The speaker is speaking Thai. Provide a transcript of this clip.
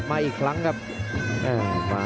ทุกคนค่ะ